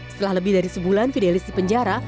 setelah lebih dari sebulan fidelis dipenjara